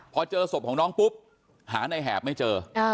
พอเจอศพของน้องปุ๊บหาในแหบไม่เจอ